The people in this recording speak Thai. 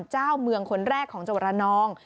เจ้าเมืองคนแรกของจังหวัดระนอง